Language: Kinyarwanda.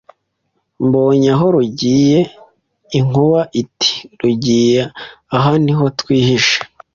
Mbonye aho rugiye Inkuba iti Rugiye aha niho rwihishe